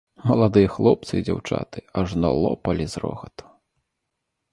Маладыя хлопцы і дзяўчаты ажно лопалі з рогату.